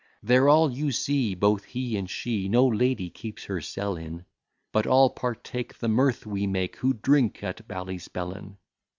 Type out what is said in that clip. There all you see, both he and she, No lady keeps her cell in; But all partake the mirth we make, Who drink at Ballyspellin.